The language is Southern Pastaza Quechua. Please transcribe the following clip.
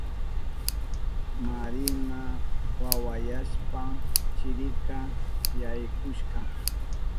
Marina wawayashpan chirika yaykushka.